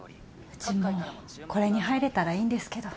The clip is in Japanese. うちもこれに入れたらいいんですけど。